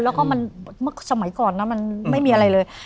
แล้วสมัยก่อนมันไม่มีอะไรเลย